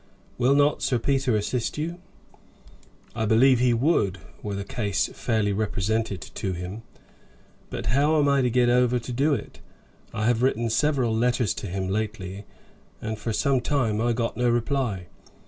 Will not Sir Peter assist you?" "I believe he would, were the case fairly represented to him; but how am I to get over to do it? I have written several letters to him lately, and for some time I got no reply.